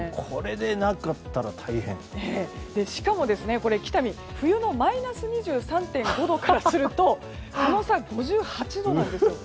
しかも北見冬のマイナス２３．５度からするとこの差、５８度なんですよ。